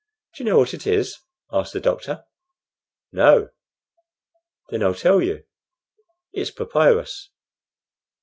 "Do you know what is is?" asked the doctor. "No." "Then I'll tell you; it's papyrus."